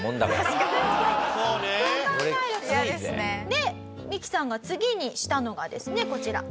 でミキさんが次にしたのがですねこちら。